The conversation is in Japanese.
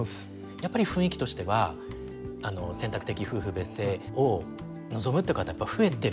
やっぱり雰囲気としては選択的夫婦別姓を望むっていう方増えてる傾向にあるんですか？